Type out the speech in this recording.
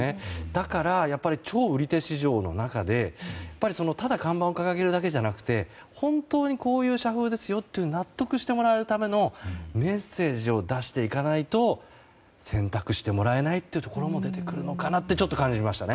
だから、超売り手市場の中でただ看板を掲げるだけじゃなくて本当にこういう社風ですよって納得してもらうためのメッセージを出していかないと選択してもらえないというのも出てくるのかなとちょっと感じましたね。